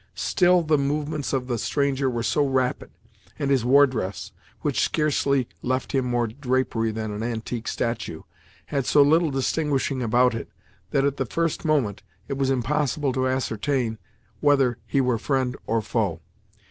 Still the movements of the stranger were so rapid, and his war dress, which scarcely left him more drapery than an antique statue, had so little distinguishing about it, that, at the first moment, it was impossible to ascertain whether he were friend or foe.